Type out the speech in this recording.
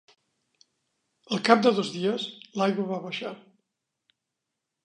Al cap de dos dies l'aigua va baixar.